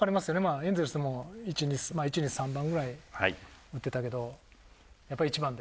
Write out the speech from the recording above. エンゼルスでも１２まあ１２３番ぐらい打ってたけどやっぱり１番で？